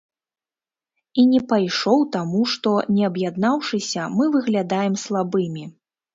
І не пайшоў, таму што, не аб'яднаўшыся, мы выглядаем слабымі.